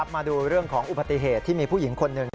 มาดูเรื่องของอุบัติเหตุที่มีผู้หญิงคนหนึ่ง